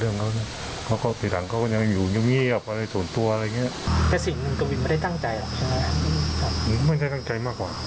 ไม่ได้ตั้งใจมากกว่า